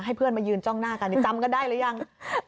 เพื่อนมายืนจ้องหน้ากันจำกันได้หรือยัง